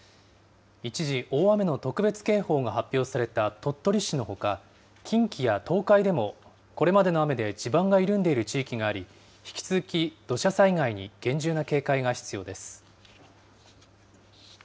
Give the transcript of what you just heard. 一時、大雨の特別警報が発表された鳥取市のほか、近畿や東海でも、これまでの雨で地盤が緩んでいる地域があり、引き続き土砂災害に厳重な警戒が必要です。